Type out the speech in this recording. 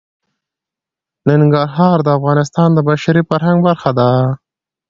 ننګرهار د افغانستان د بشري فرهنګ برخه ده.